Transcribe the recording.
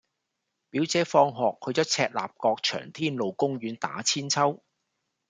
表姐放學去左赤鱲角翔天路公園打韆鞦